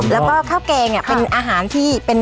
แล้วก็ข้าวแกงเป็นอาหารที่เป็น